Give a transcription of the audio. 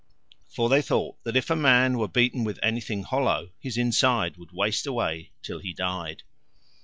For they thought that if a man were beaten with anything hollow, his inside would waste away till he died.